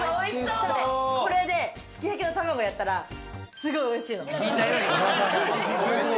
これですき焼きの卵やったら、すごいおいしいの。